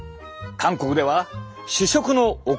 韓国では主食のお米に！